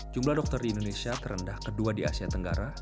jumlah dokter di indonesia terendah kedua di asia tenggara